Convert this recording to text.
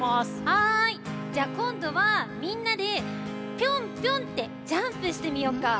じゃあこんどはみんなでピョンピョンってジャンプしてみようか。